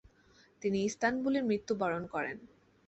তিনি ইস্তানবুলে মৃত্যুবরণ করেন।